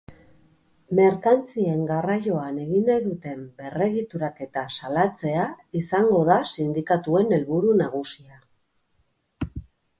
Merkantzien garraioan egin nahi duten berregituraketa salatzea izango da sindikatuen helburu nagusia.